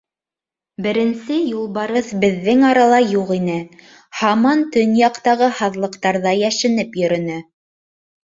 Беренсе Юлбарыҫ беҙҙең арала юҡ ине, һаман төньяҡтағы һаҙлыҡтарҙа йәшенеп йөрөнө.